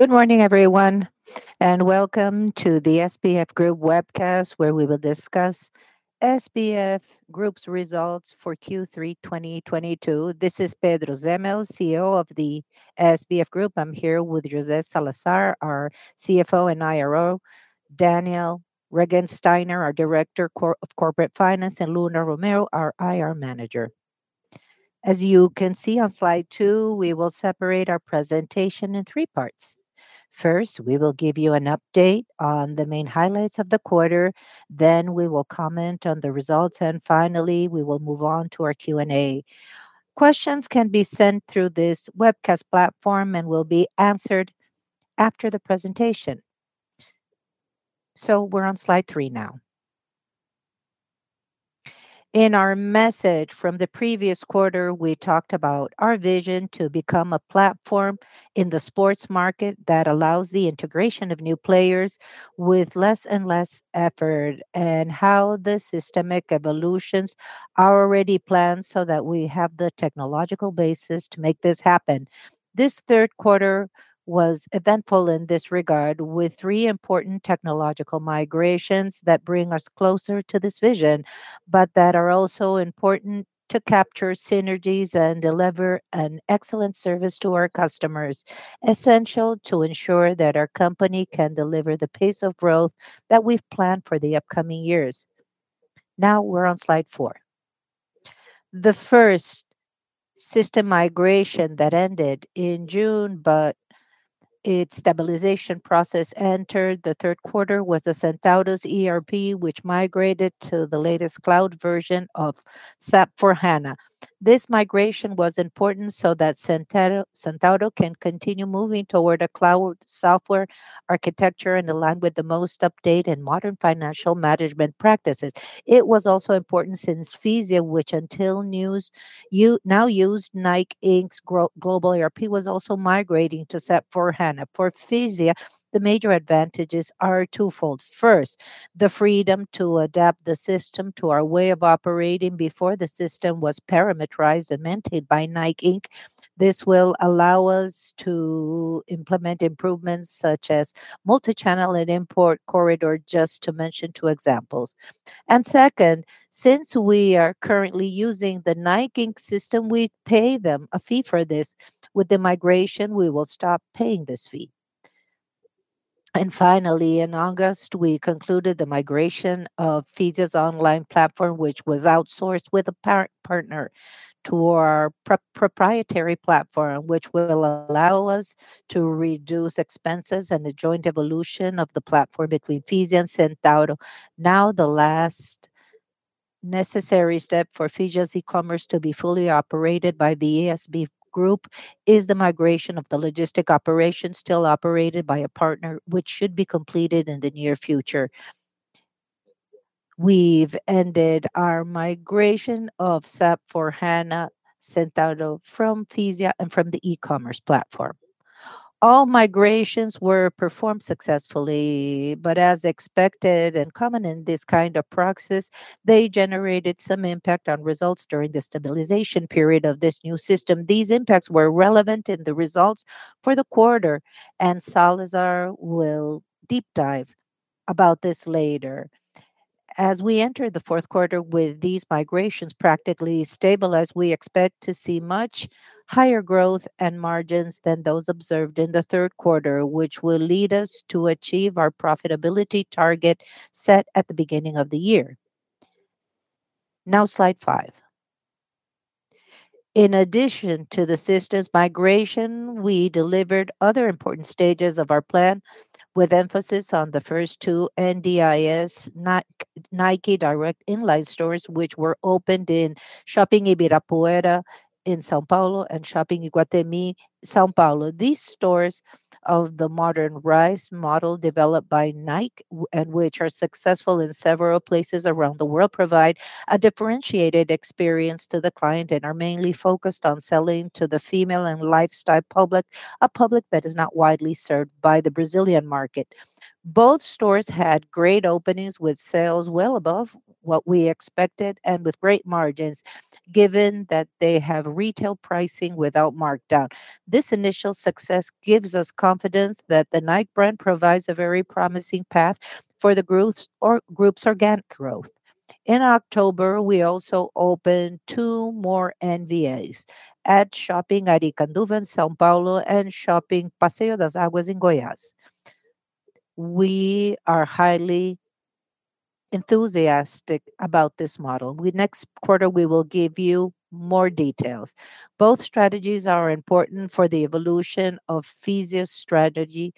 Good morning, everyone, and welcome to the SBF Group webcast where we will discuss SBF Group's results for Q3 2022. This is Pedro Zemel, CEO of the SBF Group. I'm here with José Salazar, our CFO and IRO, Daniel Regensteiner, our Director of Corporate Finance, and Luna Romeu, our IR Manager. As you can see on slide two, we will separate our presentation in three parts. First, we will give you an update on the main highlights of the quarter. Then we will comment on the results. Finally, we will move on to our Q&A. Questions can be sent through this webcast platform and will be answered after the presentation. We're on slide three now. In our message from the previous quarter, we talked about our vision to become a platform in the sports market that allows the integration of new players with less and less effort, and how the systemic evolutions are already planned so that we have the technological basis to make this happen. This third quarter was eventful in this regard with three important technological migrations that bring us closer to this vision, but that are also important to capture synergies and deliver an excellent service to our customers, essential to ensure that our company can deliver the pace of growth that we've planned for the upcoming years. Now we're on slide four. The first system migration that ended in June but its stabilization process entered the third quarter was the Centauro's ERP which migrated to the latest cloud version of SAP S/4HANA. This migration was important so that Centauro can continue moving toward a cloud software architecture and align with the most updated modern financial management practices. It was also important since Fisia, which until now used Nike Inc's global ERP was also migrating to SAP S/4HANA. For Fisia, the major advantages are twofold. First, the freedom to adapt the system to our way of operating before the system was parameterized and maintained by Nike Inc. This will allow us to implement improvements such as multichannel and import corridor, just to mention two examples. Second, since we are currently using the Nike Inc system, we pay them a fee for this. With the migration, we will stop paying this fee. Finally, in August, we concluded the migration of Fisia's online platform which was outsourced with a partner to our proprietary platform which will allow us to reduce expenses and the joint evolution of the platform between Fisia and Centauro. Now the last necessary step for Fisia's e-commerce to be fully operated by the SBF Group is the migration of the logistics operation still operated by a partner which should be completed in the near future. We've ended our migration of SAP S/4HANA Centauro from Fisia and from the e-commerce platform. All migrations were performed successfully, but as expected and common in this kind of process, they generated some impact on results during the stabilization period of this new system. These impacts were relevant in the results for the quarter, and Salazar will deep dive about this later. As we enter the fourth quarter with these migrations practically stabilized, we expect to see much higher growth and margins than those observed in the third quarter, which will lead us to achieve our profitability target set at the beginning of the year. Now slide five. In addition to the systems migration, we delivered other important stages of our plan with emphasis on the first two NDIS, Nike Direct Inline Stores, which were opened in Shopping Ibirapuera in São Paulo and Shopping Iguatemi, São Paulo. These stores of the modern RISE model developed by Nike and which are successful in several places around the world provide a differentiated experience to the client and are mainly focused on selling to the female and lifestyle public, a public that is not widely served by the Brazilian market. Both stores had great openings with sales well above what we expected and with great margins, given that they have retail pricing without markdown. This initial success gives us confidence that the Nike brand provides a very promising path for the growth of our group's organic growth. In October, we also opened two more NDIs at Shopping Aricanduva in São Paulo and Shopping Passeio das Águas in Goiás. We are highly enthusiastic about this model. Next quarter, we will give you more details. Both strategies are important for the evolution of Fisia's strategy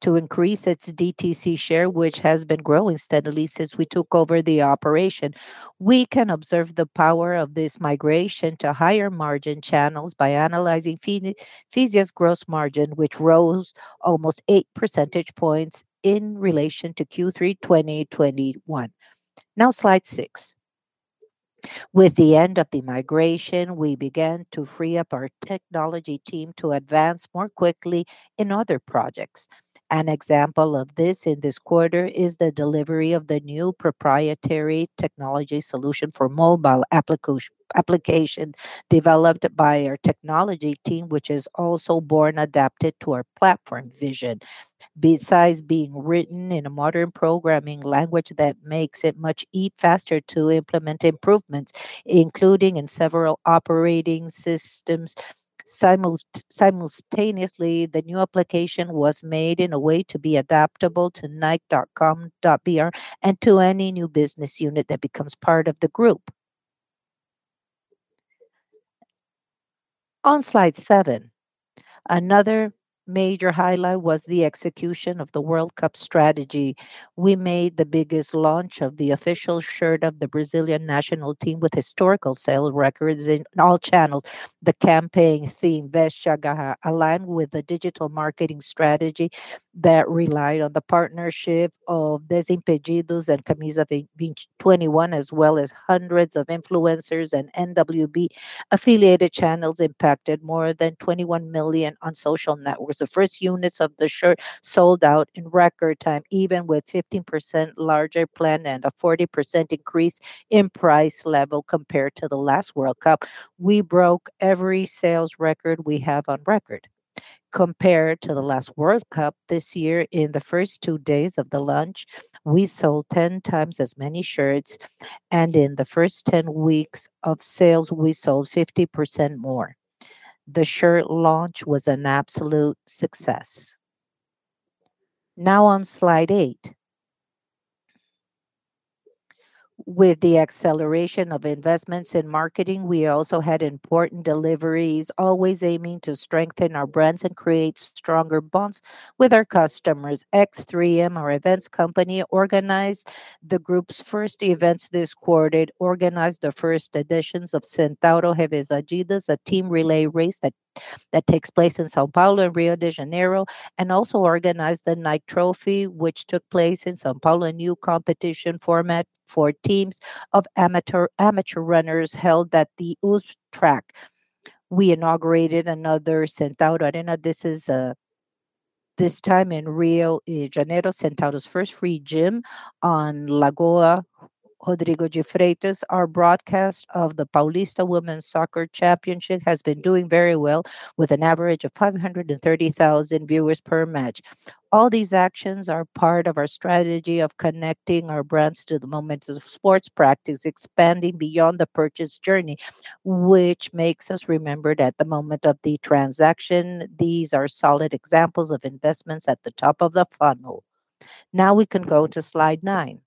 to increase its DTC share, which has been growing steadily since we took over the operation. We can observe the power of this migration to higher margin channels by analyzing Fisia's gross margin, which rose almost 8 percentage points in relation to Q3 2021. Now slide six. With the end of the migration, we began to free up our technology team to advance more quickly in other projects. An example of this in this quarter is the delivery of the new proprietary technology solution for mobile application developed by our technology team, which is also born adapted to our platform vision. Besides being written in a modern programming language that makes it much faster to implement improvements, including in several operating systems. Simultaneously, the new application was made in a way to be adaptable to nike.com.br and to any new business unit that becomes part of the group. On slide seven, another major highlight was the execution of the World Cup strategy. We made the biggest launch of the official shirt of the Brazilian national team with historical sales records in all channels. The campaign theme, Veste a Garra, aligned with the digital marketing strategy that relied on the partnership of Desimpedidos and Camisa 21, as well as hundreds of influencers and NWB affiliated channels impacted more than 21 million on social networks. The first units of the shirt sold out in record time, even with 15% larger plan and a 40% increase in price level compared to the last World Cup. We broke every sales record we have on record. Compared to the last World Cup, this year in the first two days of the launch, we sold 10 times as many shirts, and in the first 10 weeks of sales, we sold 50% more. The shirt launch was an absolute success. Now on slide eight. With the acceleration of investments in marketing, we also had important deliveries, always aiming to strengthen our brands and create stronger bonds with our customers. X3M, our events company, organized the group's first events this quarter. It organized the first editions of Centauro Reveza Adidas, a team relay race that takes place in São Paulo and Rio de Janeiro, and also organized the Nike Trophy, which took place in São Paulo, a new competition format for teams of amateur runners held at the USP track. We inaugurated another Arena Centauro. This is, this time in Rio de Janeiro, Centauro's first free gym on Lagoa Rodrigo de Freitas. Our broadcast of the Paulista women's soccer championship has been doing very well with an average of 530,000 viewers per match. All these actions are part of our strategy of connecting our brands to the moments of sports practice, expanding beyond the purchase journey, which makes us remembered at the moment of the transaction. These are solid examples of investments at the top of the funnel. Now we can go to slide nine.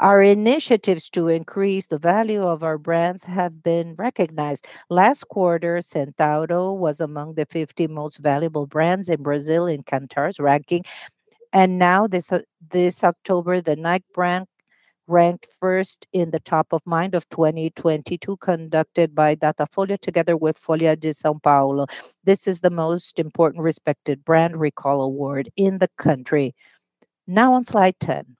Our initiatives to increase the value of our brands have been recognized. Last quarter, Centauro was among the 50 most valuable brands in Brazil in Kantar's ranking. Now this October, the Nike brand ranked first in the top of mind of 2022 conducted by Datafolha together with Folha de S.Paulo. This is the most important respected brand recall award in the country. Now on slide 10.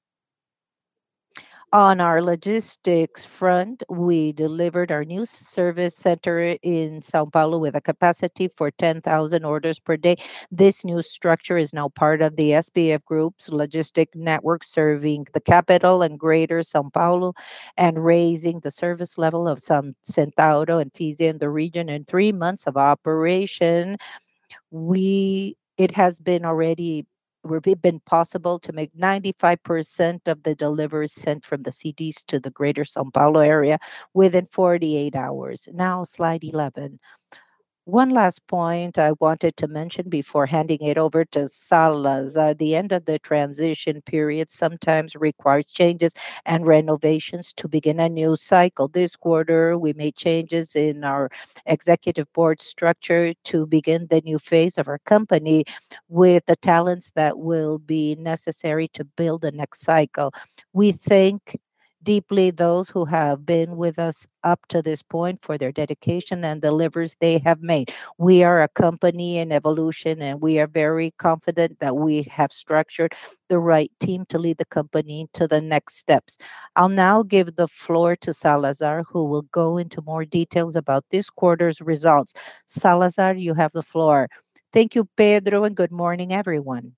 On our logistics front, we delivered our new service center in São Paulo with a capacity for 10,000 orders per day. This new structure is now part of the SBF Group's logistic network serving the capital and greater São Paulo and raising the service level of some Centauro and Fisia in the region. In three months of operation, it has already been possible to make 95% of the deliveries sent from the CDs to the greater São Paulo area within 48 hours. Now slide 11. One last point I wanted to mention before handing it over to Salazar. The end of the transition period sometimes requires changes and renovations to begin a new cycle. This quarter, we made changes in our executive board structure to begin the new phase of our company with the talents that will be necessary to build the next cycle. We thank deeply those who have been with us up to this point for their dedication and deliveries they have made. We are a company in evolution, and we are very confident that we have structured the right team to lead the company to the next steps. I'll now give the floor to Salazar, who will go into more details about this quarter's results. Salazar, you have the floor. Thank you, Pedro, and good morning, everyone.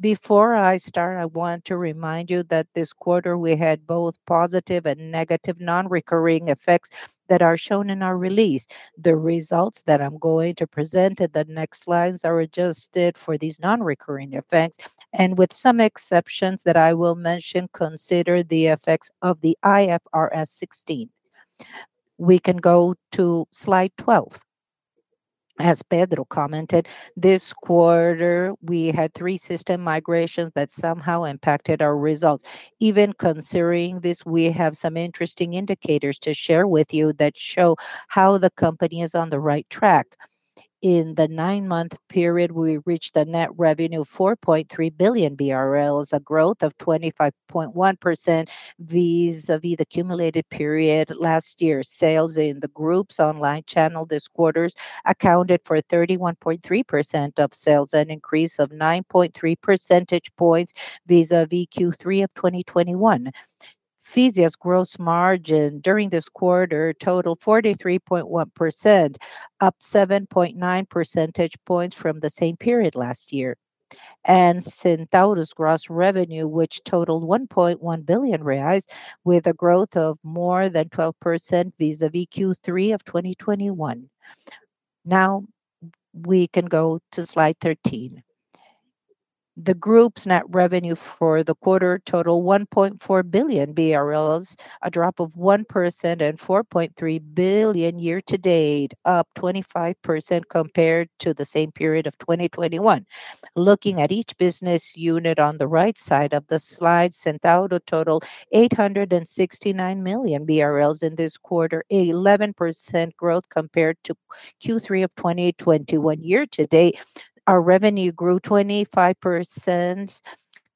Before I start, I want to remind you that this quarter we had both positive and negative non-recurring effects that are shown in our release. The results that I'm going to present in the next slides are adjusted for these non-recurring effects, and with some exceptions that I will mention, consider the effects of the IFRS 16. We can go to slide 12. As Pedro commented, this quarter we had three system migrations that somehow impacted our results. Even considering this, we have some interesting indicators to share with you that show how the company is on the right track. In the nine-month period, we reached a net revenue of 4.3 billion BRL, a growth of 25.1% vis-à-vis the accumulated period last year. Sales in the group's online channel this quarter's accounted for 31.3% of sales, an increase of 9.3 percentage points vis-à-vis Q3 of 2021. Fisia's gross margin during this quarter totaled 43.1%, up 7.9 percentage points from the same period last year. Centauro's gross revenue, which totaled 1.1 billion reais with a growth of more than 12% vis-à-vis Q3 of 2021. Now we can go to slide 13. The group's net revenue for the quarter totaled 1.4 billion BRL, a drop of 1%, and 4.3 billion year-to-date, up 25% compared to the same period of 2021. Looking at each business unit on the right side of the slide, Centauro totaled 869 million BRL in this quarter, 11% growth compared to Q3 of 2021. Year-to-date, our revenue grew 25%,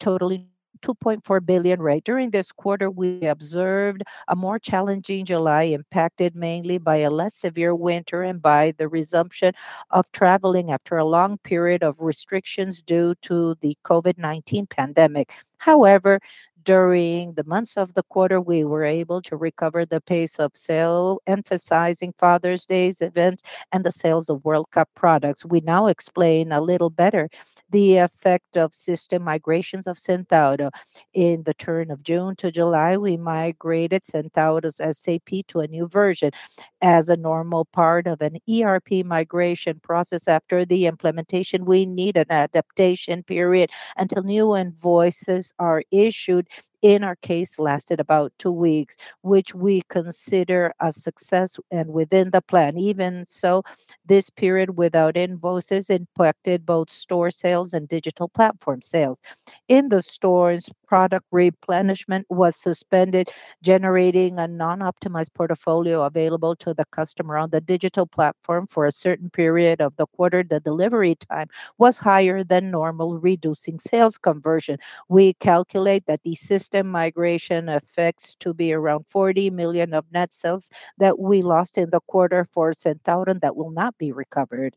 totaling 2.4 billion. During this quarter, we observed a more challenging July, impacted mainly by a less severe winter and by the resumption of traveling after a long period of restrictions due to the COVID-19 pandemic. However, during the months of the quarter, we were able to recover the pace of sale, emphasizing Father's Day events and the sales of World Cup products. We now explain a little better the effect of system migrations of Centauro. At the turn of June to July, we migrated Centauro's SAP to a new version. As a normal part of an ERP migration process after the implementation, we need an adaptation period until new invoices are issued. In our case, it lasted about two weeks, which we consider a success and within the plan. Even so, this period without invoices impacted both store sales and digital platform sales. In the stores, product replenishment was suspended, generating a non-optimized portfolio available to the customer on the digital platform for a certain period of the quarter. The delivery time was higher than normal, reducing sales conversion. We calculate that the system migration effect is to be around 40 million of net sales that we lost in the quarter for Centauro that will not be recovered.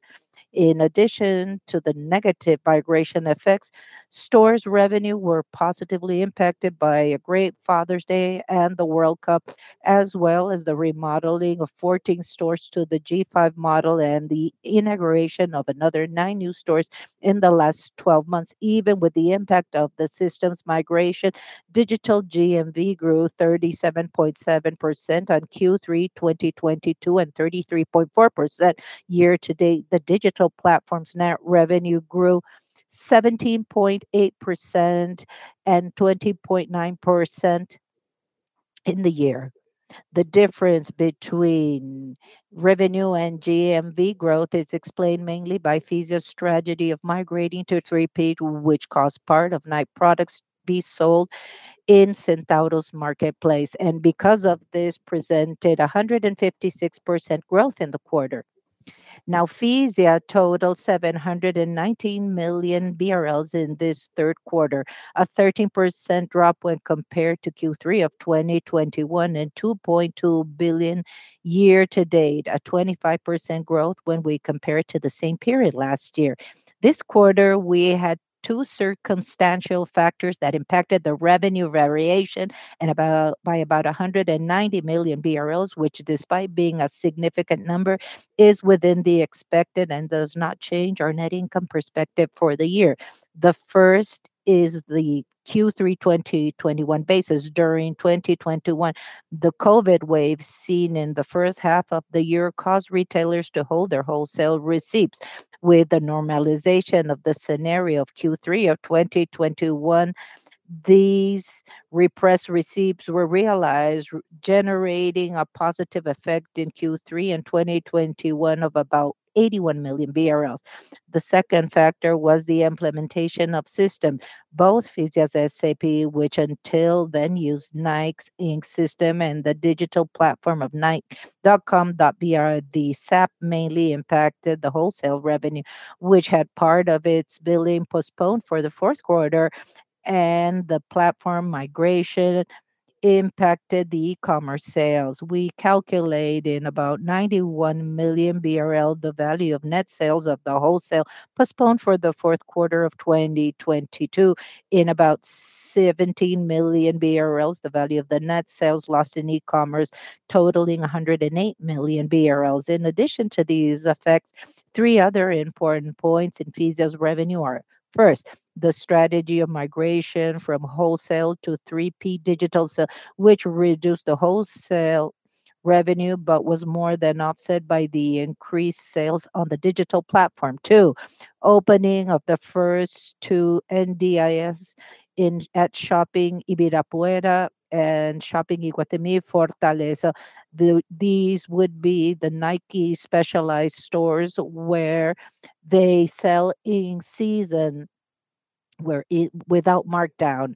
In addition to the negative migration effects, stores revenue were positively impacted by a great Father's Day and the World Cup, as well as the remodeling of 14 stores to the G5 model and the inauguration of another nine new stores in the last 12 months. Even with the impact of the systems migration, digital GMV grew 37.7% on Q3 2022 and 33.4% year-to-date. The digital platform's net revenue grew 17.8% and 20.9% in the year. The difference between revenue and GMV growth is explained mainly by Fisia's strategy of migrating to 3P, which caused part of Nike products to be sold in Centauro's marketplace, and because of this, presented a 156% growth in the quarter. Now, Fisia totaled 719 million BRL in this third quarter, a 13% drop when compared to Q3 of 2021 and 2.2 billion year-to-date, a 25% growth when we compare it to the same period last year. This quarter, we had two circumstantial factors that impacted the revenue variation by about 190 million BRL, which despite being a significant number, is within the expected and does not change our net income perspective for the year. The first is the Q3 2021 basis. During 2021, the COVID wave seen in the first half of the year caused retailers to hold their wholesale receipts. With the normalization of the scenario of Q3 of 2021, these repressed receipts were realized, generating a positive effect in Q3 in 2021 of about 81 million BRL. The second factor was the implementation of the system, both Fisia's SAP, which until then used Nike Inc.'s system and the digital platform of nike.com.br. The SAP mainly impacted the wholesale revenue, which had part of its billing postponed for the fourth quarter, and the platform migration impacted the e-commerce sales. We calculate in about 91 million BRL the value of net sales of the wholesale postponed for the fourth quarter of 2022. In about 17 million BRL, the value of the net sales lost in e-commerce totaling 108 million BRL. In addition to these effects, three other important points in Fisia's revenue are. First, the strategy of migration from wholesale to 3P digital sale, which reduced the wholesale revenue but was more than offset by the increased sales on the digital platform. Two, opening of the first two NDIS at Shopping Ibirapuera and Shopping Iguatemi Fortaleza. These would be the Nike specialized stores where they sell in season without markdown.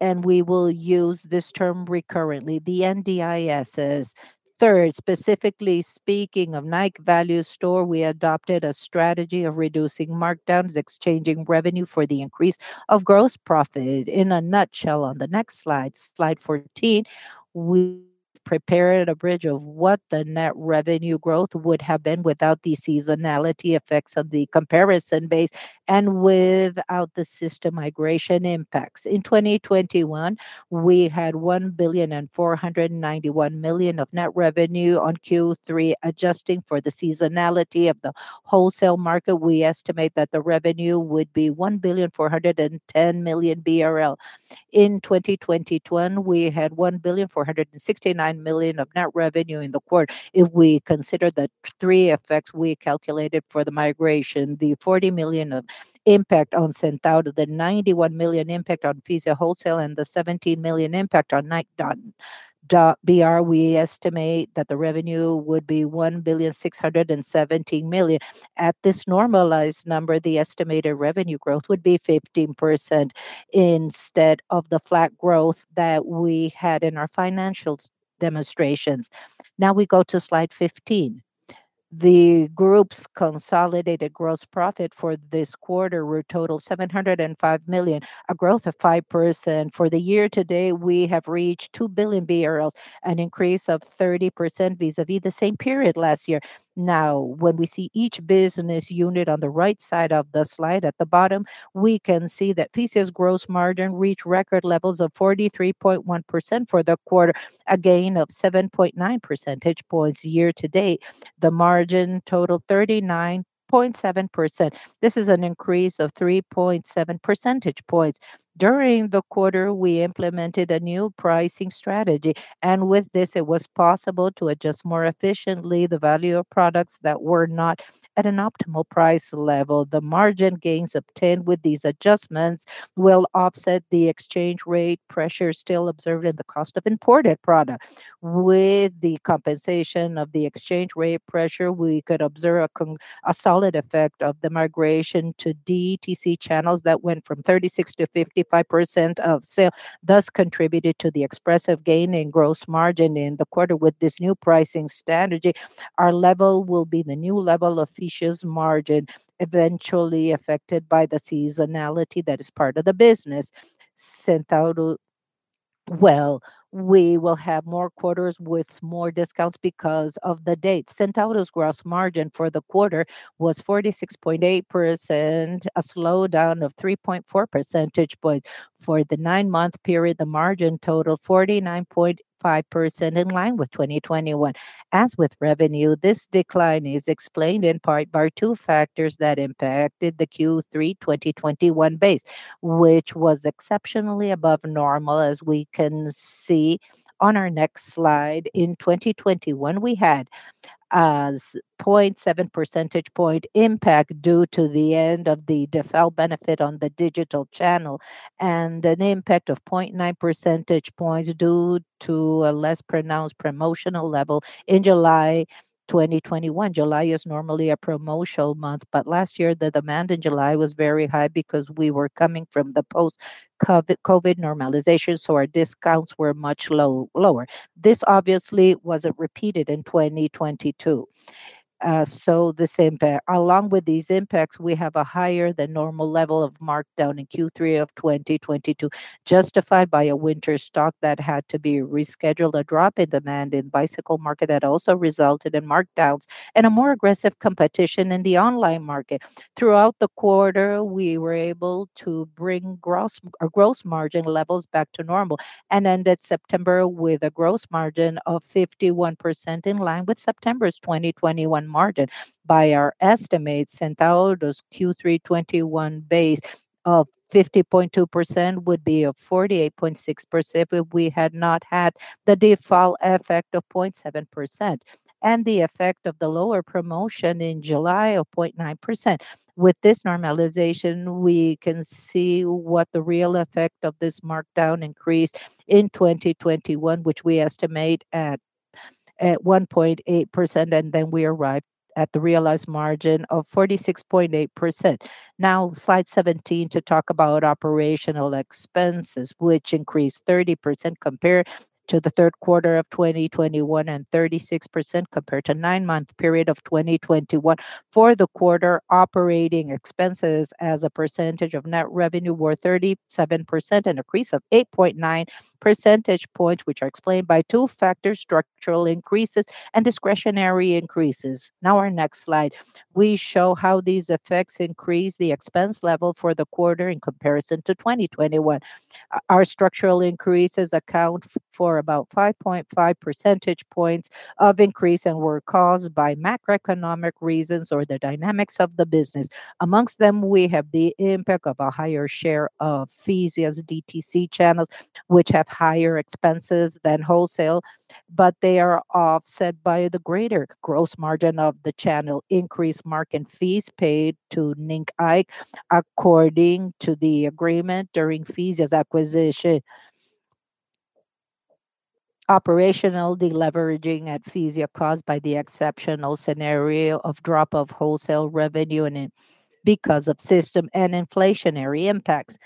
We will use this term recurrently, the NDISs. Third, specifically speaking of Nike Value Store, we adopted a strategy of reducing markdowns, exchanging revenue for the increase of gross profit. In a nutshell, on the next slide 14, we prepared a bridge of what the net revenue growth would have been without the seasonality effects of the comparison base and without the system migration impacts. In 2021, we had 1,491 million of net revenue on Q3. Adjusting for the seasonality of the wholesale market, we estimate that the revenue would be 1,410 million BRL. In 2021, we had 1.469 billion of net revenue in the quarter. If we consider the three effects we calculated for the migration, the 40 million of impact on Centauro, the 91 million impact on Fisia wholesale, and the 17 million impact on nike.com.br, we estimate that the revenue would be 1.617 billion. At this normalized number, the estimated revenue growth would be 15% instead of the flat growth that we had in our financial statements. Now we go to slide 15. The group's consolidated gross profit for this quarter were total 705 million, a growth of 5%. For the year-to-date, we have reached 2 billion BRL, an increase of 30% vis-à-vis the same period last year. Now, when we see each business unit on the right side of the slide at the bottom, we can see that Fisia's gross margin reached record levels of 43.1% for the quarter, a gain of 7.9 percentage points year to date. The margin totaled 39.7%. This is an increase of 3.7 percentage points. During the quarter, we implemented a new pricing strategy, and with this it was possible to adjust more efficiently the value of products that were not at an optimal price level. The margin gains obtained with these adjustments will offset the exchange rate pressure still observed in the cost of imported products. With the compensation of the exchange rate pressure, we could observe a solid effect of the migration to DTC channels that went from 36%-55% of sales, thus contributed to the expressive gain in gross margin in the quarter. With this new pricing strategy, our level will be the new level of Fisia's margin, eventually affected by the seasonality that is part of the business. Centauro. Well, we will have more quarters with more discounts because of the dates. Centauro's gross margin for the quarter was 46.8%, a slowdown of 3.4 percentage points. For the nine-month period, the margin totaled 49.5%, in line with 2021. As with revenue, this decline is explained in part by two factors that impacted the Q3 2021 base, which was exceptionally above normal as we can see on our next slide. In 2021, we had a 0.7 percentage point impact due to the end of the default benefit on the digital channel and an impact of 0.9 percentage points due to a less pronounced promotional level in July 2021. July is normally a promotional month, but last year the demand in July was very high because we were coming from the post-COVID normalization, so our discounts were much lower. This obviously wasn't repeated in 2022. The same pair. Along with these impacts, we have a higher than normal level of markdown in Q3 of 2022, justified by a winter stock that had to be rescheduled, a drop in demand in bicycle market that also resulted in markdowns, and a more aggressive competition in the online market. Throughout the quarter, we were able to bring gross margin levels back to normal and ended September with a gross margin of 51%, in line with September's 2021 margin. By our estimates, Centauro's Q3 2021 base of 50.2% would be of 48.6% if we had not had the default effect of 0.7% and the effect of the lower promotion in July of 0.9%. With this normalization, we can see what the real effect of this markdown increase in 2021, which we estimate at 1.8%, and then we arrive at the realized margin of 46.8%. Now slide 17 to talk about operational expenses, which increased 30% compared to the third quarter of 2021 and 36% compared to nine-month period of 2021. For the quarter, operating expenses as a percentage of net revenue were 37%, an increase of 8.9 percentage points, which are explained by two factors, structural increases and discretionary increases. Now our next slide. We show how these effects increase the expense level for the quarter in comparison to 2021. Our structural increases account for about 5.5 percentage points of increase and were caused by macroeconomic reasons or the dynamics of the business. Among them, we have the impact of a higher share of Fisia's DTC channels, which have higher expenses than wholesale, but they are offset by the greater gross margin of the channel, increased marketing fees paid to Nike according to the agreement during Fisia's acquisition. Operational deleveraging at Fisia caused by the exceptional scenario of drop of wholesale revenue and because of system and inflationary impacts.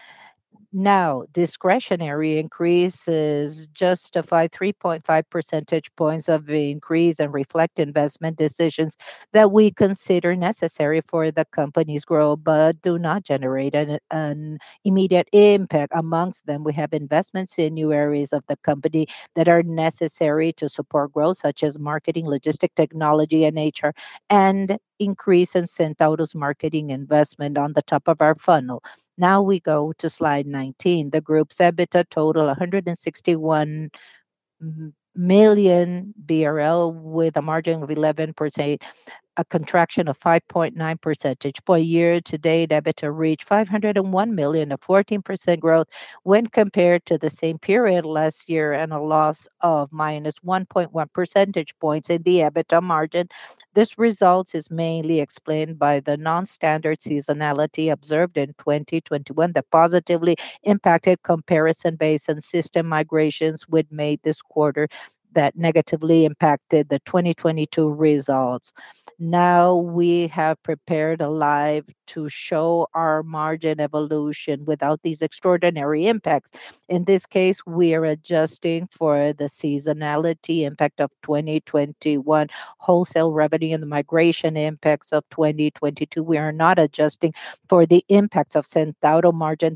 Discretionary increases justify 3.5 percentage points of the increase and reflect investment decisions that we consider necessary for the company's growth, but do not generate an immediate impact. Amongst them, we have investments in new areas of the company that are necessary to support growth, such as marketing, logistics technology, and HR, and increase in Centauro's marketing investment on the top of our funnel. Now we go to slide 19. The group's EBITDA totaled 161 million BRL with a margin of 11.8%, a contraction of 5.9 percentage points. For year-to-date, EBITDA reached 501 million, a 14% growth when compared to the same period last year and a loss of -1.1 percentage points in the EBITDA margin. This result is mainly explained by the non-standard seasonality observed in 2021 that positively impacted comparison base and system migrations we'd made this quarter that negatively impacted the 2022 results. Now we have prepared a slide to show our margin evolution without these extraordinary impacts. In this case, we are adjusting for the seasonality impact of 2021 wholesale revenue and the migration impacts of 2022. We are not adjusting for the impacts of Centauro margin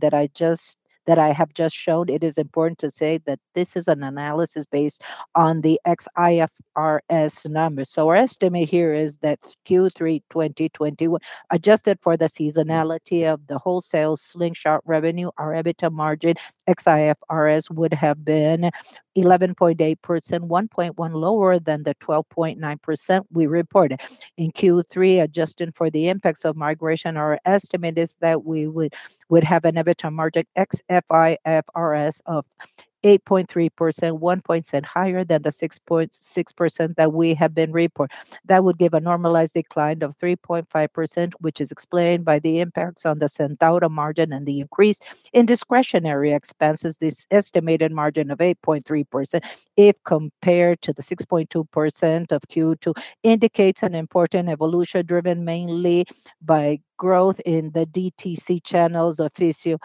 that I have just showed. It is important to say that this is an analysis based on the ex-IFRS numbers. Our estimate here is that Q3 2021, adjusted for the seasonality of the wholesale Slingshot revenue, our EBITDA margin ex IFRS would have been 11.8%, 1.1 lower than the 12.9% we reported. In Q3, adjusted for the impacts of migration, our estimate is that we would have an EBITDA margin ex IFRS of 8.3%, one point higher than the 6.6% that we have reported. That would give a normalized decline of 3.5%, which is explained by the impacts on the Centauro margin and the increase in discretionary expenses. This estimated margin of 8.3%, if compared to the 6.2% of Q2, indicates an important evolution driven mainly by growth in the DTC channels of Fisia,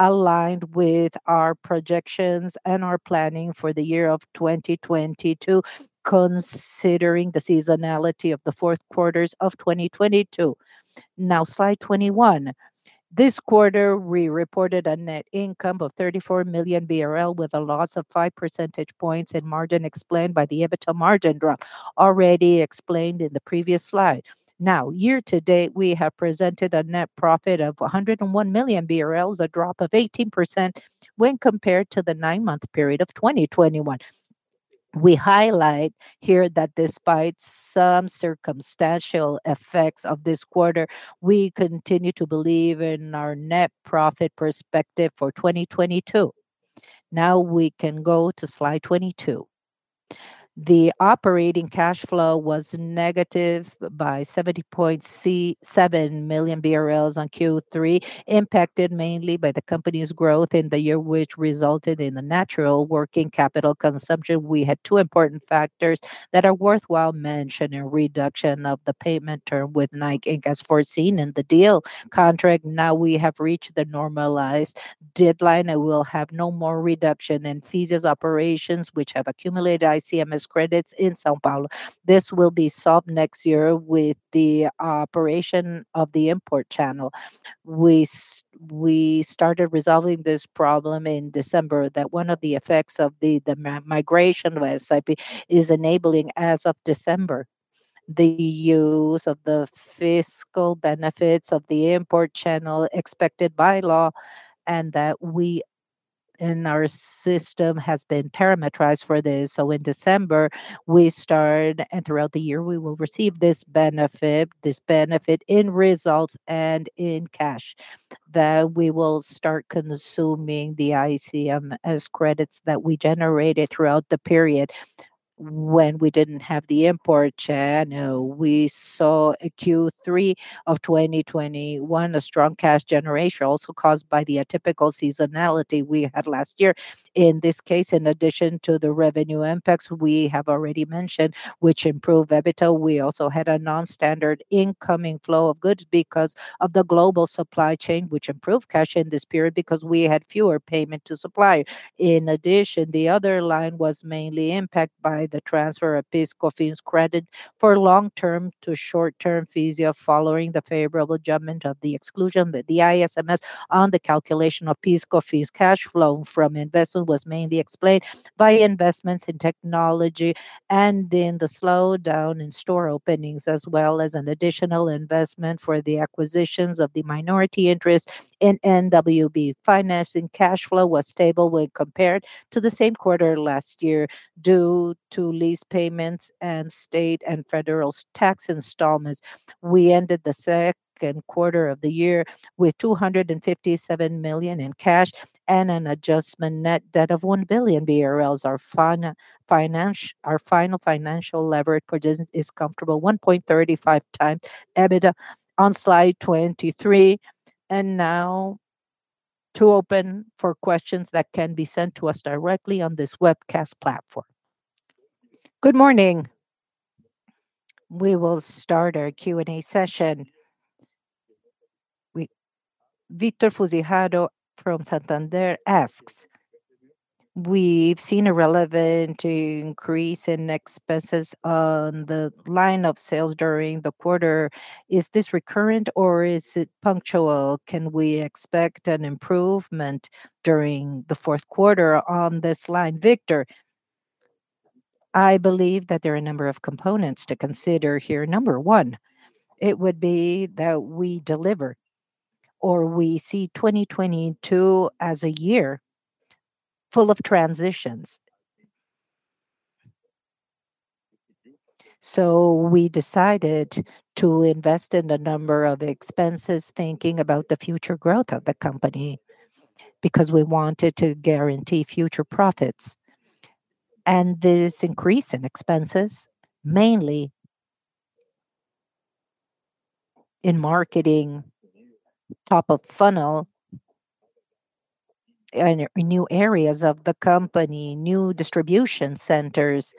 aligned with our projections and our planning for the year of 2022, considering the seasonality of the fourth quarters of 2022. Now slide 21. This quarter, we reported a net income of 34 million BRL with a loss of five percentage points in margin explained by the EBITDA margin drop already explained in the previous slide. Now, year to date, we have presented a net profit of 101 million BRL, a drop of 18% when compared to the nine-month period of 2021. We highlight here that despite some circumstantial effects of this quarter, we continue to believe in our net profit perspective for 2022. Now we can go to slide 22. The operating cash flow was negative by 77 million BRL in Q3, impacted mainly by the company's growth in the year which resulted in a natural working capital consumption. We had two important factors that are worthwhile mentioning: reduction of the payment term with Nike Inc. as foreseen in the deal contract. Now we have reached the normalized deadline and we'll have no more reduction in Fisia's operations which have accumulated ICMS credits in São Paulo. This will be solved next year with the operation of the import channel. We started resolving this problem in December, that one of the effects of the migration with SAP is enabling as of December the use of the fiscal benefits of the import channel expected by law, and our system has been parameterized for this. In December, we start, and throughout the year we will receive this benefit, this benefit in results and in cash. We will start consuming the ICMS credits that we generated throughout the period when we didn't have the import channel. We saw a Q3 of 2021, a strong cash generation also caused by the atypical seasonality we had last year. In this case, in addition to the revenue impacts we have already mentioned which improved EBITDA, we also had a non-standard incoming flow of goods because of the global supply chain, which improved cash in this period because we had fewer payment to supplier. In addition, the other line was mainly impacted by the transfer of PIS/COFINS credit for long-term to short-term Fisia following the favorable judgment of the exclusion, the ICMS on the calculation of PIS/COFINS. Cash flow from investment was mainly explained by investments in technology and in the slowdown in store openings, as well as an additional investment for the acquisitions of the minority interest in NWB. Financing cash flow was stable when compared to the same quarter last year due to lease payments and state and federal tax installments. We ended the second quarter of the year with 257 million in cash and an adjusted net debt of 1 billion BRL. Our final financial leverage position is comfortable, 1.35x EBITDA. On slide 23. Now to open for questions that can be sent to us directly on this webcast platform. Good morning. We will start our Q&A session. Victor Fujisaki from Santander asks, "We've seen a relevant increase in expenses on the line of sales during the quarter. Is this recurrent or is it punctual? Can we expect an improvement during the fourth quarter on this line?" Victor, I believe that there are a number of components to consider here. Number one, it would be that we deliver or we see 2022 as a year full of transitions. We decided to invest in a number of expenses thinking about the future growth of the company because we wanted to guarantee future profits. This increase in expenses mainly in marketing, top of funnel, and in new areas of the company, new distribution centers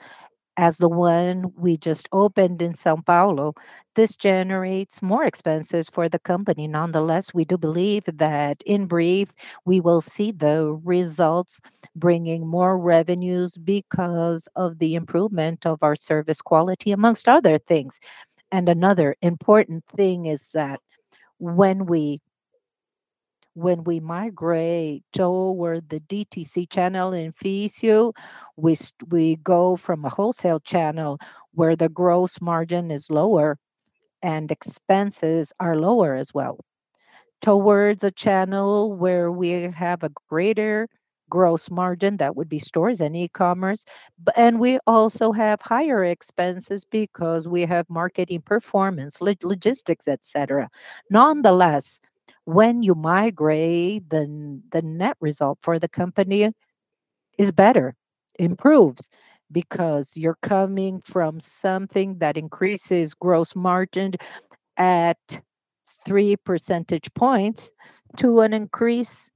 as the one we just opened in São Paulo, this generates more expenses for the company. Nonetheless, we do believe that in brief, we will see the results bringing more revenues because of the improvement of our service quality amongst other things. Another important thing is that when we migrate toward the DTC channel in Fisia, we go from a wholesale channel where the gross margin is lower and expenses are lower as well, towards a channel where we have a greater gross margin, that would be stores and e-commerce, and we also have higher expenses because we have marketing, personnel, logistics, et cetera. Nonetheless, when you migrate, the net result for the company is better, improves because you're coming from something that increases gross margin at three percentage points to an increase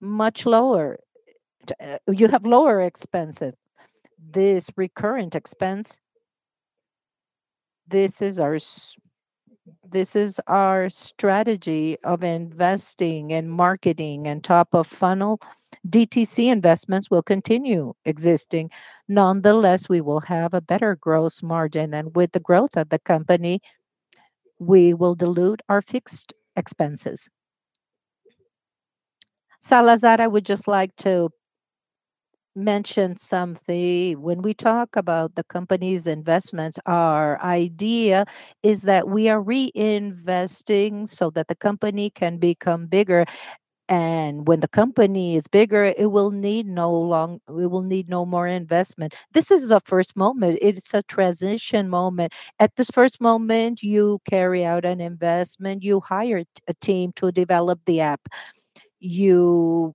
much lower. You have lower expenses. This recurrent expense, this is our strategy of investing in marketing and top of funnel. DTC investments will continue existing. Nonetheless, we will have a better gross margin, and with the growth of the company, we will dilute our fixed expenses. Salazar, I would just like to mention something. When we talk about the company's investments, our idea is that we are reinvesting so that the company can become bigger. When the company is bigger, we will need no more investment. This is a first moment. It's a transition moment. At this first moment, you carry out an investment, you hire a team to develop the app. You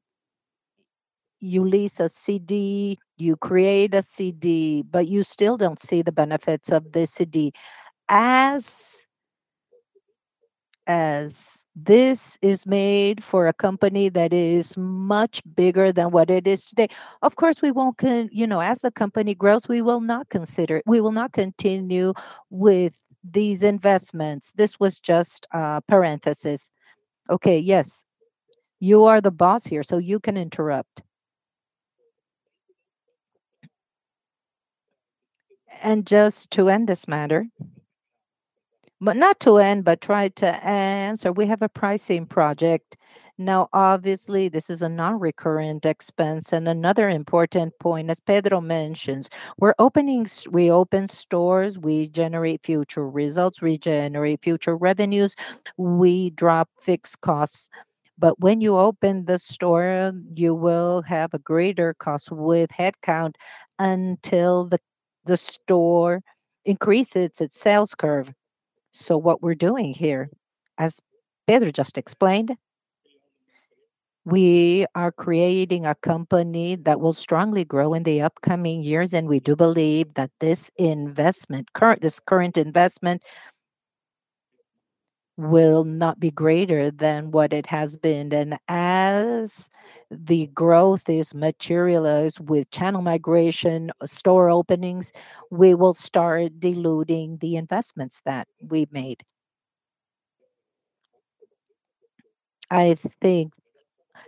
lease a CD, you create a CD, but you still don't see the benefits of the CD. As this is made for a company that is much bigger than what it is today, of course, we won't you know, as the company grows, we will not continue with these investments. This was just a parenthesis. Okay. Yes. You are the boss here, so you can interrupt. Just to end this matter, but not to end, but try to answer, we have a pricing project. Now, obviously, this is a non-recurrent expense. Another important point, as Pedro mentions, we open stores, we generate future results, we generate future revenues, we drop fixed costs. When you open the store, you will have a greater cost with headcount until the store increases its sales curve. What we're doing here, as Pedro just explained, we are creating a company that will strongly grow in the upcoming years, and we do believe that this current investment will not be greater than what it has been. As the growth is materialized with channel migration, store openings, we will start diluting the investments that we've made. I think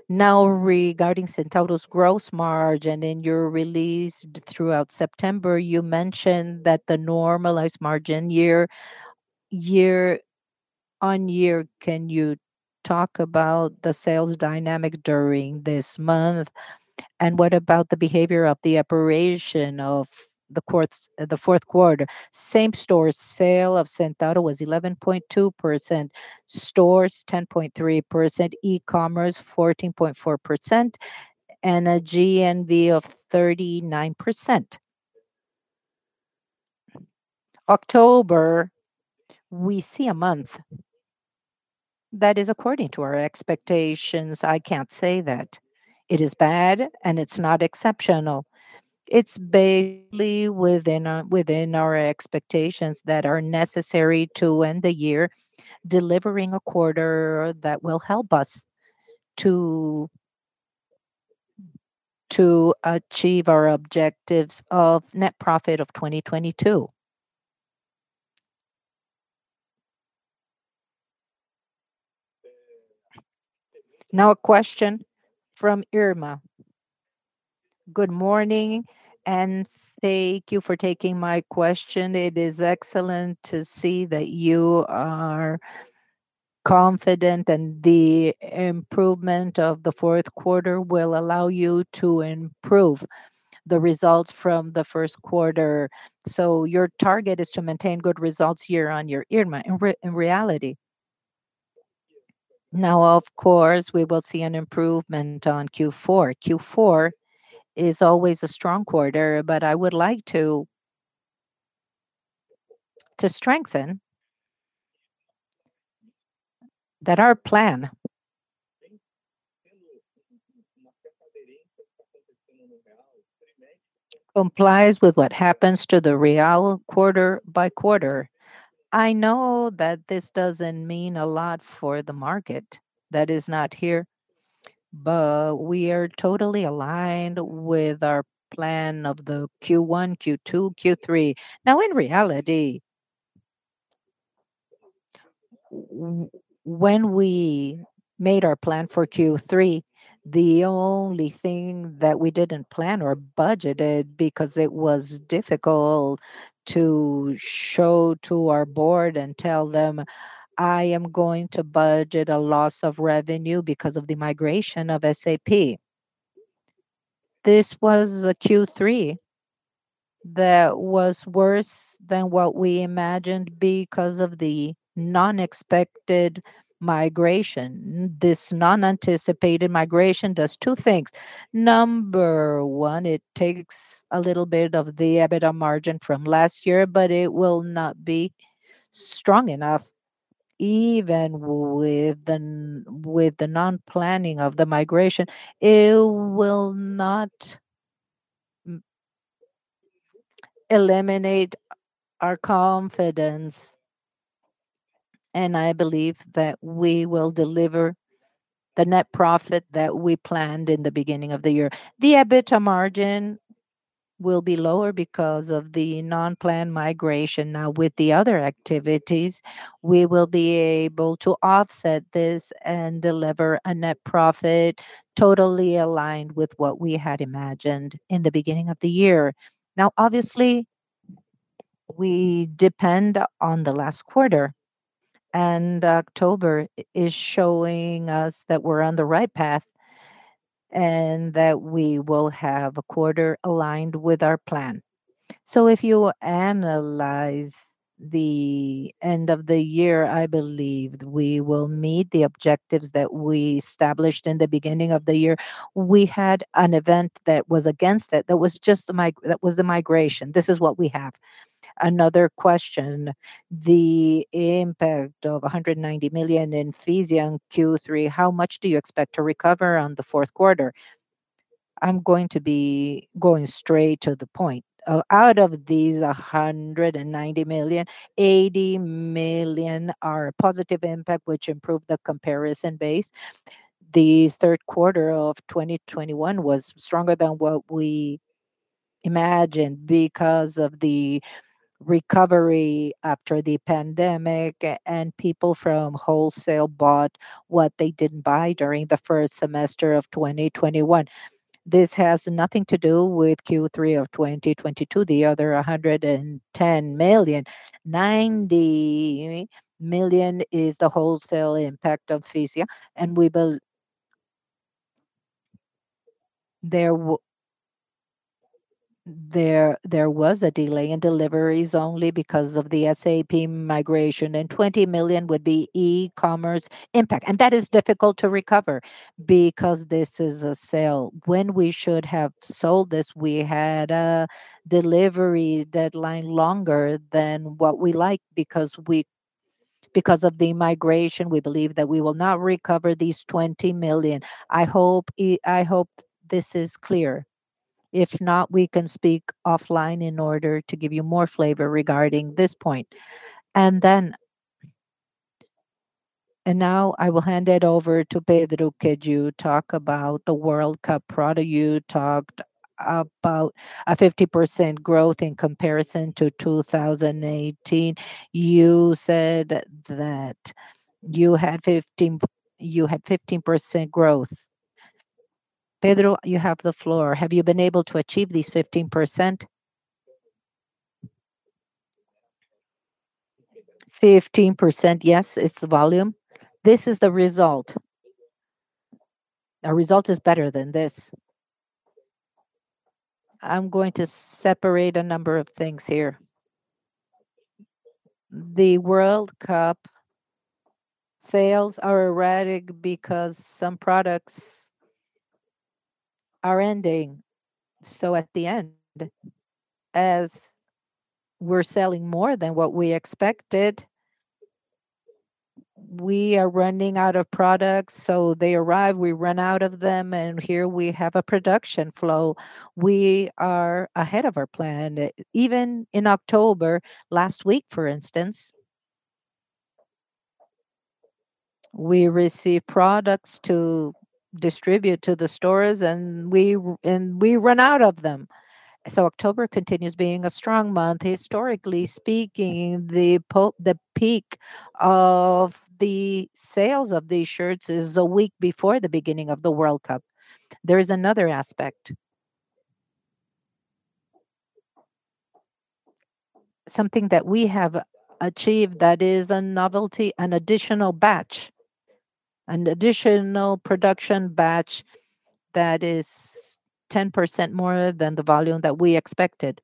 now regarding Centauro's gross margin in your release throughout September, you mentioned that the normalized margin year-over-year. Can you talk about the sales dynamic during this month? What about the behavior of the operation of the fourth quarter? Same-store sale of Centauro was 11.2%, stores 10.3%, e-commerce 14.4%, and a GMV of 39%. October, we see a month that is according to our expectations. I can't say that it is bad and it's not exceptional. It's basically within our expectations that are necessary to end the year delivering a quarter that will help us to achieve our objectives of net profit of 2022. Now a question from Irma. Good morning, and thank you for taking my question. It is excellent to see that you are confident and the improvement of the fourth quarter will allow you to improve the results from the first quarter? Your target is to maintain good results year-over-year, Irma, in reality. Now, of course, we will see an improvement on Q4. Q4 is always a strong quarter, but I would like to strengthen that our plan complies with what happens to the real quarter by quarter. I know that this doesn't mean a lot for the market that is not here, but we are totally aligned with our plan of the Q1, Q2, Q3. Now, in reality, when we made our plan for Q3, the only thing that we didn't plan or budgeted because it was difficult to show to our board and tell them, "I am going to budget a loss of revenue because of the migration of SAP." This was a Q3 that was worse than what we imagined because of the non-expected migration. This non-anticipated migration does two things. Number one, it takes a little bit of the EBITDA margin from last year, but it will not be strong enough even with the non-planning of the migration. It will not eliminate our confidence, and I believe that we will deliver the net profit that we planned in the beginning of the year. The EBITDA margin will be lower because of the non-planned migration. Now, with the other activities, we will be able to offset this and deliver a net profit totally aligned with what we had imagined in the beginning of the year. Now, obviously, we depend on the last quarter, and October is showing us that we're on the right path and that we will have a quarter aligned with our plan. If you analyze the end of the year, I believe we will meet the objectives that we established in the beginning of the year. We had an event that was against it. That was the migration. This is what we have. Another question, the impact of 190 million in Fisia on Q3, how much do you expect to recover on the fourth quarter? I'm going to be going straight to the point. Out of these 190 million, 80 million are positive impact which improved the comparison base. The third quarter of 2021 was stronger than what we imagined because of the recovery after the pandemic and people from wholesale bought what they didn't buy during the first semester of 2021. This has nothing to do with Q3 of 2022. The other 110 million, 90 million is the wholesale impact of Fisia, there was a delay in deliveries only because of the SAP migration, and 20 million would be e-commerce impact. That is difficult to recover because this is a sale. When we should have sold this, we had a delivery deadline longer than what we like because of the migration, we believe that we will not recover these 20 million. I hope this is clear. If not, we can speak offline in order to give you more flavor regarding this point. I will hand it over to Pedro Zemel. Could you talk about the World Cup product? You talked about a 50% growth in comparison to 2018. You said that you had 15% growth. Pedro Zemel, you have the floor. Have you been able to achieve these 15%? 15%, yes, it's the volume. This is the result. Our result is better than this. I'm going to separate a number of things here. The World Cup sales are erratic because some products are ending. At the end, as we're selling more than what we expected, we are running out of products. They arrive, we run out of them, and here we have a production flow. We are ahead of our plan. Even in October, last week, for instance, we receive products to distribute to the stores, and we run out of them. October continues being a strong month. Historically speaking, the peak of the sales of these shirts is a week before the beginning of the World Cup. There is another aspect. Something that we have achieved that is a novelty, an additional batch, an additional production batch that is 10% more than the volume that we expected.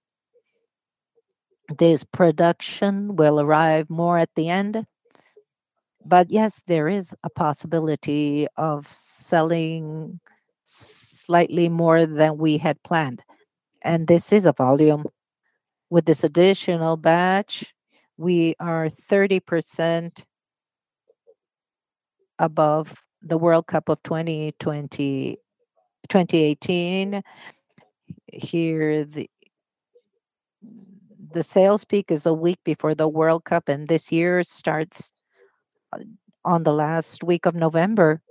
This production will arrive more at the end. Yes, there is a possibility of selling slightly more than we had planned, and this is a volume. With this additional batch, we are 30% above the World Cup of 2018. Here the sales peak is a week before the World Cup, and this year starts on the last week of November.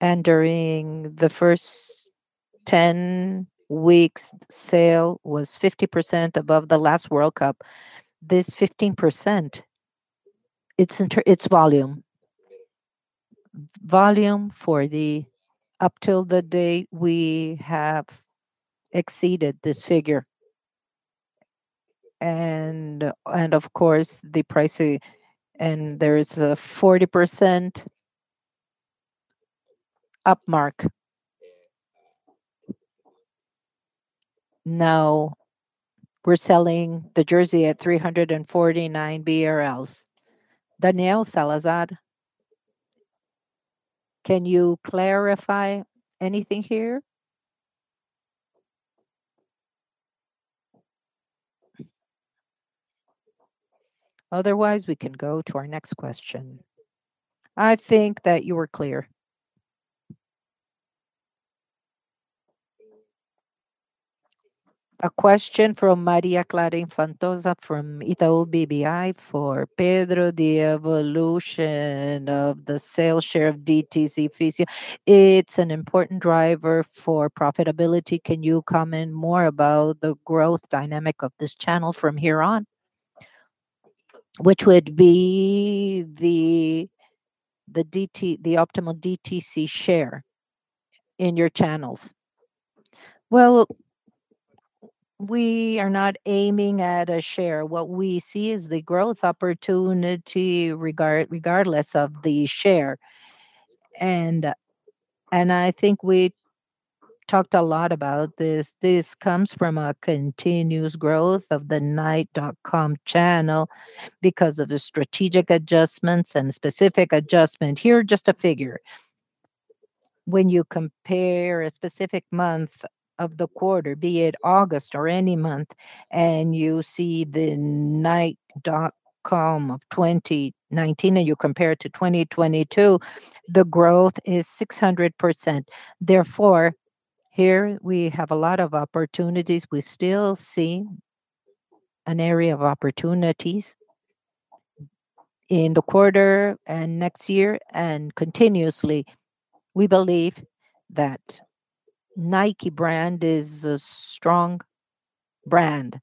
During the first 10 weeks, sale was 50% above the last World Cup. This 15%, it's volume. Volume up till the date, we have exceeded this figure. Of course, the pricing, and there is a 40% markup. Now we're selling the jersey at 349 BRL. Daniel Salazar, can you clarify anything here? Otherwise, we can go to our next question. I think that you were clear. A question from Maria Clara Infante from Itaú BBA for Pedro. The evolution of the sales share of DTC Fisia, it's an important driver for profitability. Can you comment more about the growth dynamic of this channel from here on? Which would be the optimal DTC share in your channels? Well, we are not aiming at a share. What we see is the growth opportunity regardless of the share. I think we talked a lot about this. This comes from a continuous growth of the nike.com channel because of the strategic adjustments and specific adjustment. Here, just a figure. When you compare a specific month of the quarter, be it August or any month, and you see the nike.com of 2019, and you compare it to 2022, the growth is 600%. Therefore, here we have a lot of opportunities. We still see an area of opportunities in the quarter and next year and continuously. We believe that Nike brand is a strong brand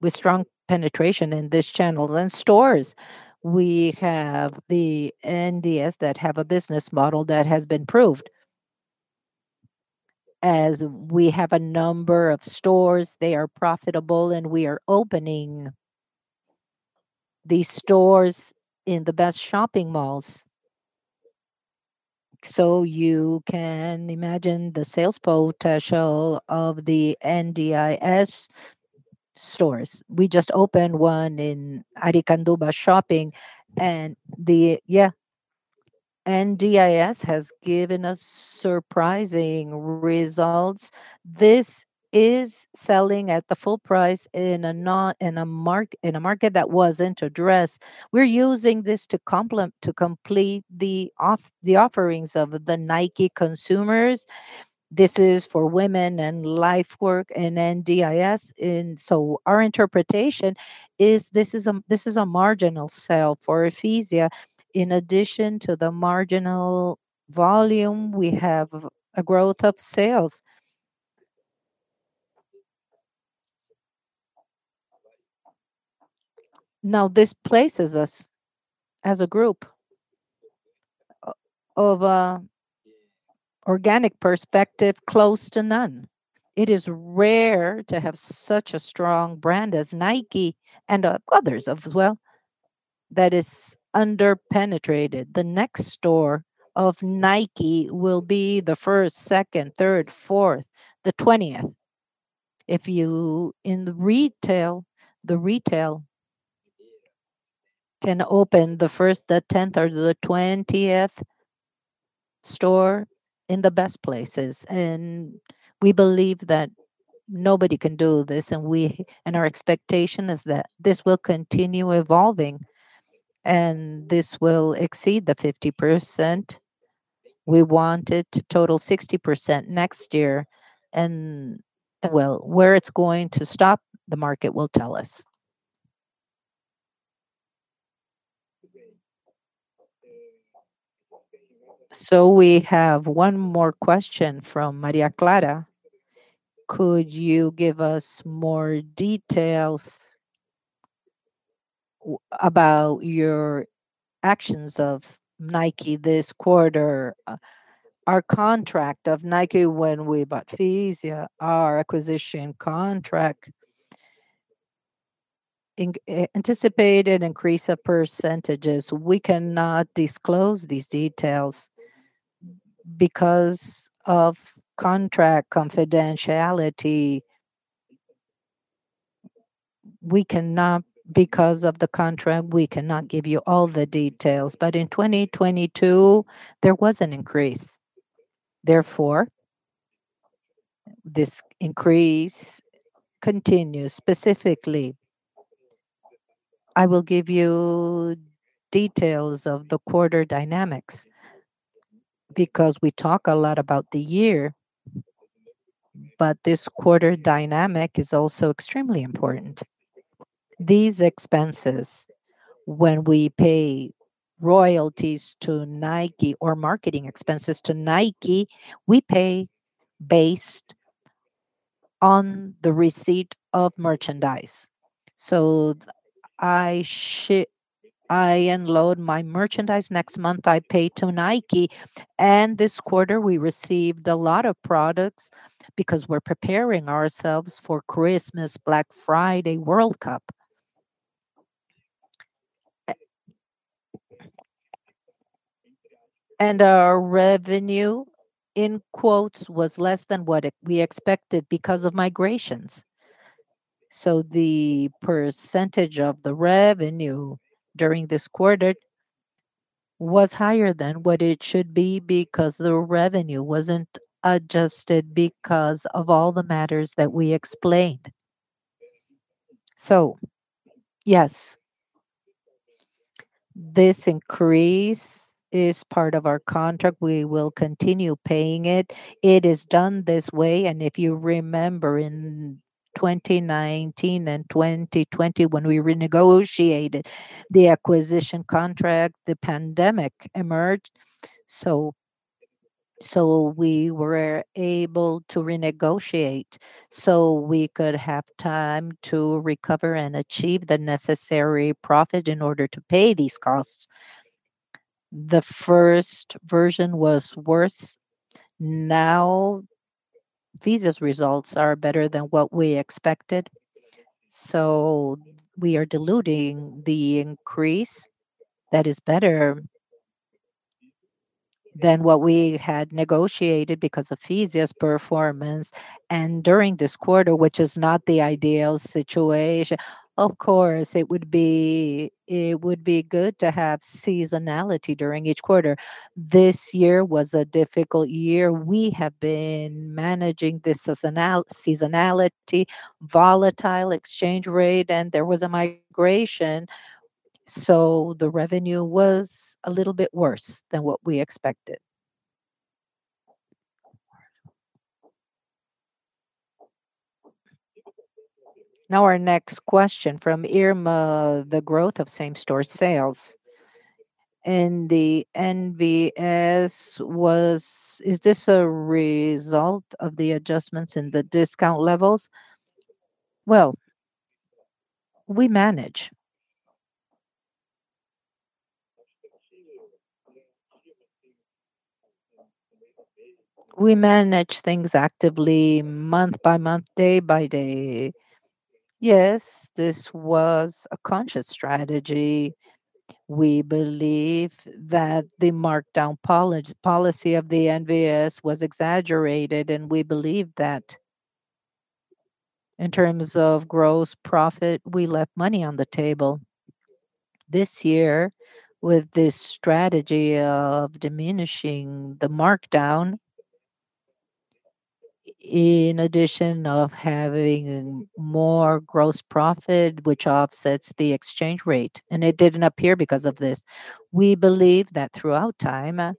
with strong penetration in this channel and stores. We have the NDIS that have a business model that has been proved. As we have a number of stores, they are profitable, and we are opening these stores in the best shopping malls. You can imagine the sales potential of the NDIS stores. We just opened one in Shopping Aricanduva. NDIS has given us surprising results. This is selling at the full price in a market that wasn't addressed. We're using this to complement the offerings of the Nike consumers. This is for women and lifestyle and NDIS. Our interpretation is this is a marginal sale for Fisia. In addition to the marginal volume, we have a growth of sales. Now, this places us as a group from an organic perspective close to none. It is rare to have such a strong brand as Nike, and others as well, that is under-penetrated. The next store of Nike will be the first, second, third, fourth, the twentieth. In the retail, the retail can open the first, the tenth, or the twentieth store in the best places. We believe that nobody can do this. Our expectation is that this will continue evolving, and this will exceed the 50%. We want it to total 60% next year and, well, where it's going to stop, the market will tell us. We have one more question from Maria Clara Infantozzi. Could you give us more details about your actions of Nike this quarter? Our contract of Nike when we bought Fisia, our acquisition contract, anticipated increase of percentages. We cannot disclose these details because of contract confidentiality. Because of the contract, we cannot give you all the details. In 2022, there was an increase. Therefore, this increase continues. Specifically, I will give you details of the quarter dynamics, because we talk a lot about the year, but this quarter dynamic is also extremely important. These expenses, when we pay royalties to Nike or marketing expenses to Nike, we pay based on the receipt of merchandise. I unload my merchandise next month, I pay to Nike, and this quarter we received a lot of products because we're preparing ourselves for Christmas, Black Friday, World Cup. Our revenue, in quotes, was less than what we expected because of migrations. The percentage of the revenue during this quarter was higher than what it should be because the revenue wasn't adjusted because of all the matters that we explained. Yes, this increase is part of our contract. We will continue paying it. It is done this way, and if you remember in 2019 and 2020 when we renegotiated the acquisition contract, the pandemic emerged. We were able to renegotiate, so we could have time to recover and achieve the necessary profit in order to pay these costs. The first version was worse. Fisia's results are better than what we expected, so we are diluting the increase that is better than what we had negotiated because of Fisia's performance. During this quarter, which is not the ideal situation, of course, it would be good to have seasonality during each quarter. This year was a difficult year. We have been managing this seasonality, volatile exchange rate, and there was a migration, so the revenue was a little bit worse than what we expected. Now our next question from Irma, the growth of same-store sales and the NVS was. Is this a result of the adjustments in the discount levels? Well, we manage things actively month by month, day by day. Yes, this was a conscious strategy. We believe that the markdown policy of the NVS was exaggerated, and we believe that in terms of gross profit, we left money on the table. This year, with this strategy of diminishing the markdown, in addition to having more gross profit, which offsets the exchange rate, and it didn't appear because of this. We believe that throughout time,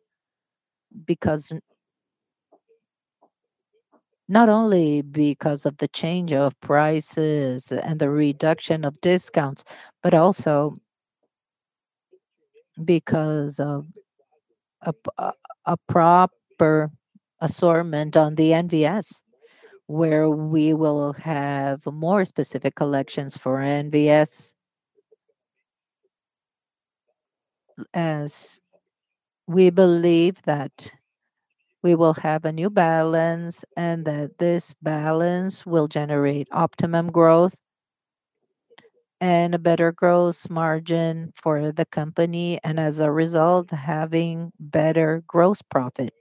because not only because of the change of prices and the reduction of discounts, but also because of a proper assortment on the NVS, where we will have more specific collections for NVS, as we believe that we will have a new balance and that this balance will generate optimum growth and a better gross margin for the company, and as a result, having better gross profit.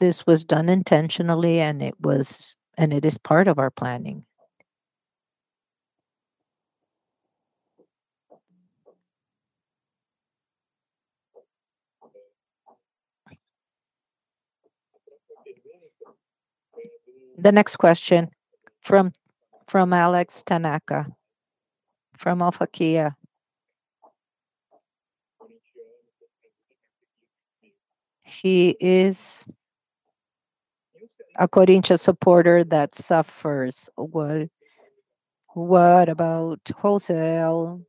This was done intentionally, and it is part of our planning. The next question from Alex Tanaka from Alphakey. He is a Corinthians supporter that suffers. What about wholesale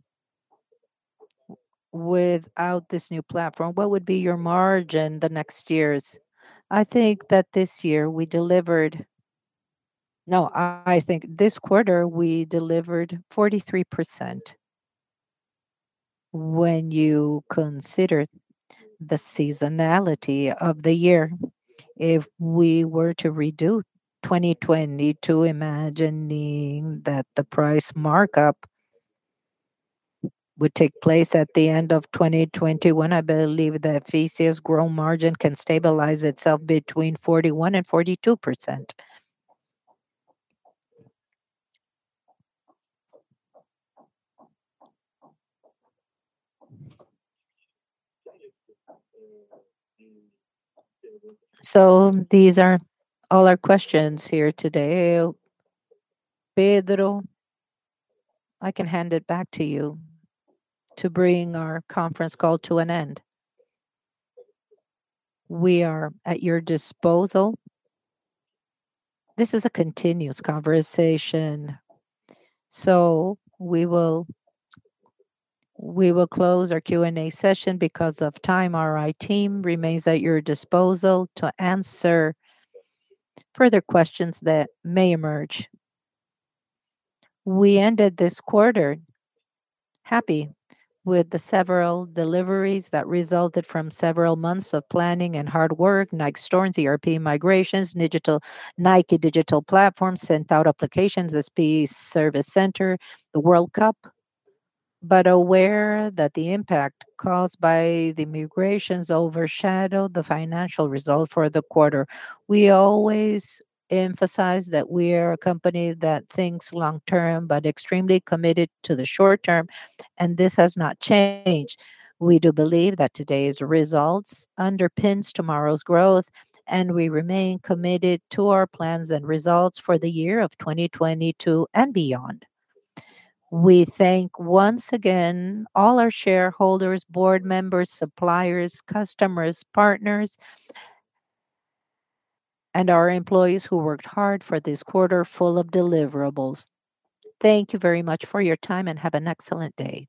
without this new platform? What would be your margin the next years? I think that this quarter we delivered 43%. When you consider the seasonality of the year, if we were to redo 2022 imagining that the price markup would take place at the end of 2021, I believe the EBITDA gross margin can stabilize itself between 41%-42%. These are all our questions here today. Pedro, I can hand it back to you to bring our conference call to an end. We are at your disposal. This is a continuous conversation, so we will close our Q&A session because of time. Our team remains at your disposal to answer further questions that may emerge. We ended this quarter happy with the several deliveries that resulted from several months of planning and hard work, Nike stores, ERP migrations, digital, Nike digital platforms, standalone applications, SAP Service Center, the World Cup, but aware that the impact caused by the migrations overshadowed the financial result for the quarter. We always emphasize that we are a company that thinks long term, but extremely committed to the short term, and this has not changed. We do believe that today's results underpins tomorrow's growth, and we remain committed to our plans and results for the year of 2022 and beyond. We thank once again all our shareholders, board members, suppliers, customers, partners, and our employees who worked hard for this quarter full of deliverables. Thank you very much for your time, and have an excellent day.